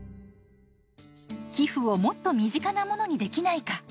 寄付をもっと身近なものにできないか？